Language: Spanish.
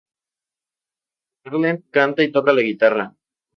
Erlend canta y toca la guitarra.